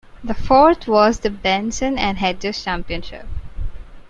The fourth was the Benson and Hedges Championship.